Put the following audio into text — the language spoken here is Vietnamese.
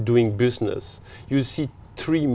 đối với các quốc gia khác